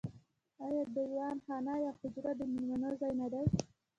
آیا دیوان خانه یا حجره د میلمنو ځای نه دی؟